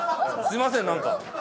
すいませんなんか。